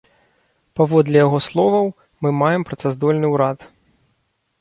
Паводле яго словаў, мы маем працаздольны ўрад.